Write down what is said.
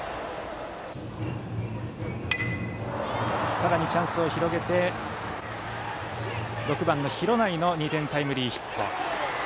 さらにチャンスを広げて、６番の廣内の２点タイムリーヒット。